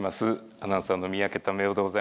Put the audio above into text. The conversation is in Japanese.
アナウンサーの三宅民夫でございます。